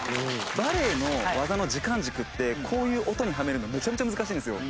バレエの技の時間軸ってこういう音にはめるのめちゃめちゃ難しいんですよ。